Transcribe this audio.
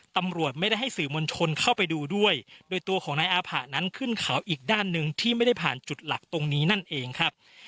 ตำรวจไม่ได้ให้สื่อมวลชนเข้าไปดูด้วยโดยตัวของนายอาผะนั้นขึ้นเขาอีกด้านหนึ่งที่ไม่ได้ผ่านจุดหลักตรงนี้นั่นเองครับ